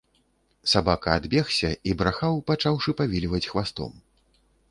Сабака адбегся і брахаў, пачаўшы павільваць хвастом.